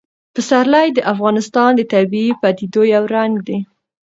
پسرلی د افغانستان د طبیعي پدیدو یو رنګ دی.